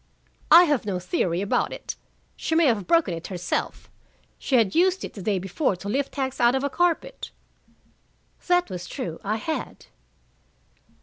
"I have no theory about it. She may have broken it herself. She had used it the day before to lift tacks out of a carpet." That was true; I had.